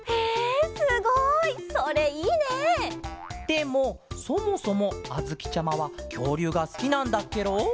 でもそもそもあづきちゃまはきょうりゅうがすきなんだっケロ？